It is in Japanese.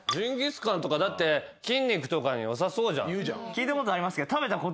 聞いたことありますけど。